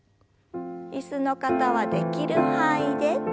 椅子の方はできる範囲で。